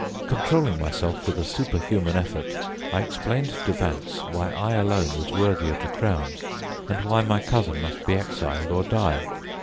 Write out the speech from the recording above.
Controlling myself with a superhuman effort, I explained to Vance why I alone was worthy of the crown and why my cousin must be exiled or die.